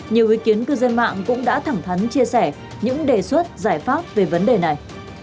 nhiều ý kiến cư dân mạng cũng đã thẳng thắn chia sẻ những đề xuất giải pháp về vấn đề này